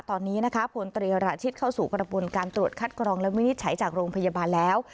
ตอนนี้นะคะพลตรีราชิตเข้าสู่กระบวนการตรวจคัดกรองและวินิจฉัยจากโรงพยาบาลแล้ว